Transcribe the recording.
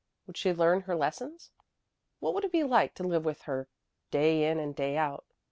Would she learn her lessons? What would it be like to live with her day in and day out?